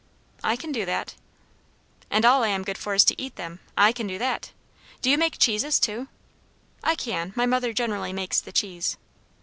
"I can do that." "And all I am good for is to eat them! I can do that. Do you make cheeses too?" "I can. My mother generally makes the cheese."